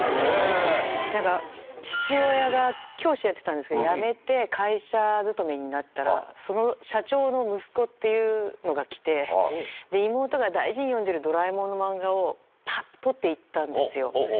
なんか、父親が教師やってたんですけど、辞めて、会社勤めになったら、その社長の息子っていうのが来て、妹が大事に読んでいるドラえもんの漫画をぱって取っていったんですよ。